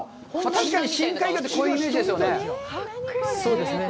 確かに深海魚ってこういうイメージですね。